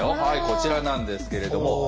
はいこちらなんですけれども。